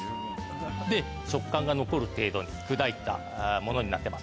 で食感が残る程度に砕いたものになってますね。